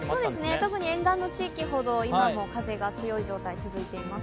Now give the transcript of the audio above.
特に沿岸の地域ほど風が強い状態が続いています。